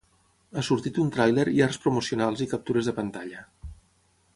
Ha sortit un tràiler i arts promocionals i captures de pantalla.